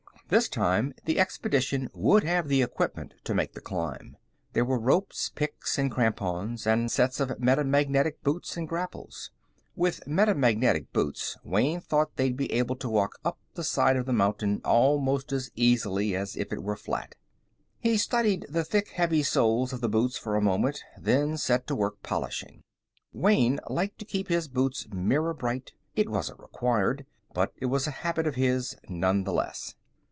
This time, the expedition would have the equipment to make the climb. There were ropes, picks, and crampons, and sets of metamagnetic boots and grapples. With metamagnetic boots, Wayne thought, they'd be able to walk up the side of the mountain almost as easily as if it were flat. He studied the thick, heavy soles of the boots for a moment, then set to work polishing. Wayne liked to keep his boots mirror bright; it wasn't required, but it was a habit of his nonetheless.